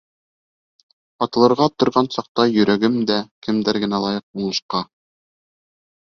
Атылырға торған саҡта йөрәгем дә, Кемдәр генә лайыҡ уңышҡа?